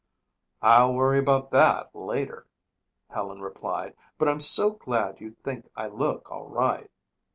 "I'll worry about that later," Helen replied. "But I'm so glad you think I look all right."